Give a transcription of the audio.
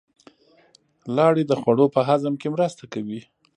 لاړې د خوړو په هضم کې مرسته کوي